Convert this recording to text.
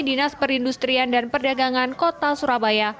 dinas perindustrian dan perdagangan kota surabaya